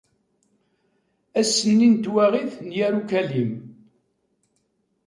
Ass-nni n twaɣit n Yarucalim.